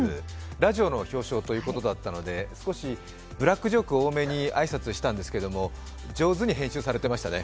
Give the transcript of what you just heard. ラジオの表彰ということだったので少しブラックジョーク多めに挨拶したんですけれども、上手に編集されていましたね。